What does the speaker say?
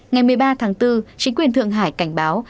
ngày một mươi ba tháng bốn chính quyền thượng hải cảnh báo